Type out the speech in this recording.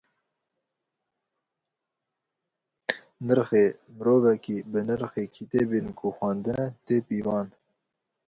Nirxê mirovekî bi nirxê kitêbên ku xwendine tê pîvan.